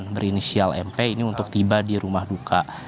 dan berinisial mp ini untuk tiba di rumah luka